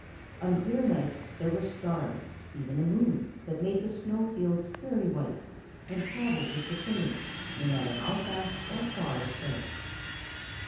On clear nights there were stars—even a moon that made the snow fields very white, and traveled with the train, no matter how fast or far it went.